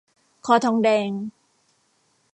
คอทองแดง